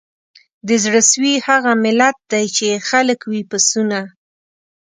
د زړه سوي هغه ملت دی چي یې خلک وي پسونه